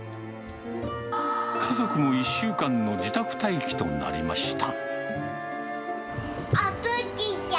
家族も１週間の自宅待機となりました。